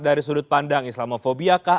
dari sudut pandang islamofobia kah